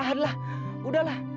ah adalah udahlah